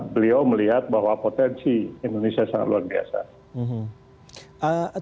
beliau melihat bahwa potensi indonesia sangat luar biasa